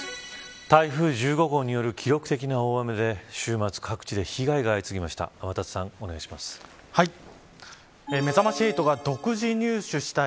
台風１５号による記録的な大雨で週末各地で被害が相次ぎました。